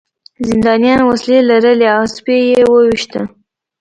زندانیانو وسلې لرلې او سپي یې وویشتل